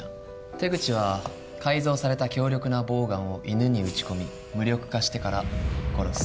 手口は改造された強力なボウガンを犬に撃ち込み無力化してから殺す。